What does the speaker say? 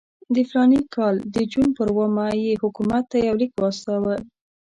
د فلاني کال د جون پر اوومه یې حکومت ته یو لیک واستاوه.